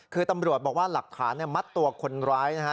คือตำรวจบอกว่าหลักฐานมัดตัวคนร้ายนะฮะ